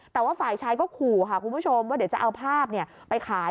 แต่ว่าฝ่ายชายก็ขู่ค่ะคุณผู้ชมว่าเดี๋ยวจะเอาภาพไปขาย